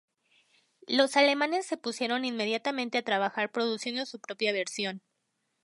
Los alemanes se pusieron inmediatamente a trabajar produciendo su propia versión.